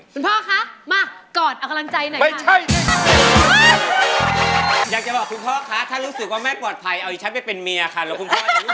คุณพ่อคะมากอดอักลังใจหน่อยค่ะคุณพ่อถ้ารู้สึกว่าแม่ปลอดภัยเอาฉันไปเป็นเมียค่ะแล้วคุณพ่อจะรู้สึกว่า